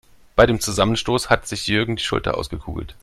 Bei dem Zusammenstoß hat sich Jürgen die Schulter ausgekugelt.